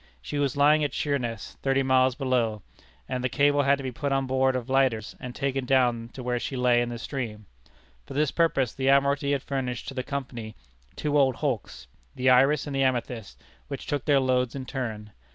She was lying at Sheerness, thirty miles below, and the cable had to be put on board of lighters and taken down to where she lay in the stream. For this purpose the Admiralty had furnished to the Company two old hulks, the Iris and the Amethyst, which took their loads in turn.